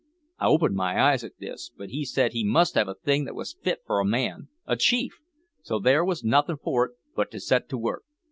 I opened my eyes at this, but he said he must have a thing that was fit for a man a chief so there was nothin' for it but to set to work.